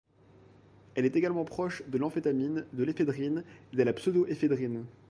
Elle est également proche de l'amphétamine, de l'éphédrine et de la pseudoéphédrine.